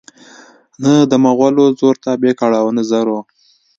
نه دمغلو زور تابع کړ او نه زرو